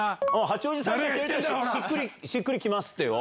八王子傘下「しっくりきます」ってよ。